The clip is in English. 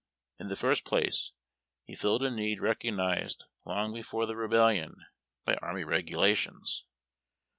In the first place, he filled a need recognized, long before the Rebellion, by xA.rmy Eegujations.